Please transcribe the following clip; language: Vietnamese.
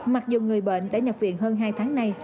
mặc dù người bệnh đã nhập viện hơn hai tháng nay